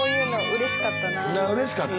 うれしかったなあ。